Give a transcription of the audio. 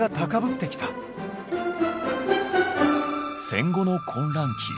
戦後の混乱期